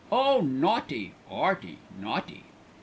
Oh, naughty! 'Earty, naughty!"